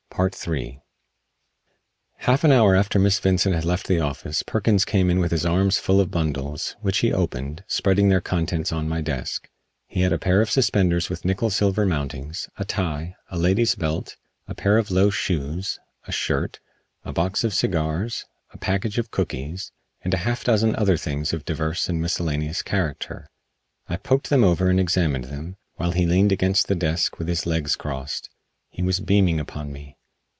III Half an hour after Miss Vincent had left the office Perkins came in with his arms full of bundles, which he opened, spreading their contents on my desk. He had a pair of suspenders with nickel silver mountings, a tie, a lady's belt, a pair of low shoes, a shirt, a box of cigars, a package of cookies, and a half dozen other things of divers and miscellaneous character. I poked them over and examined them, while he leaned against the desk with his legs crossed. He was beaming upon me.